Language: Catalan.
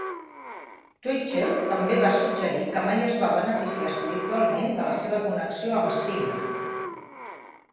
Twitchell també va suggerir que mai es va beneficiar espiritualment de la seva connexió amb Singh.